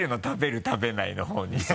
「食べる」「食べない」のほうに。